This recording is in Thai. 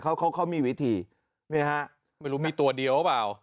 เขาเขามีวิธีนี่ฮะไม่รู้มีตัวเดียวหรือเปล่า